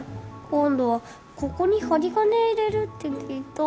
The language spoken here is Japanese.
今度はここに針金入れるって聞いた。